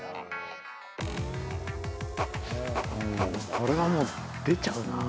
これはもう出ちゃうな。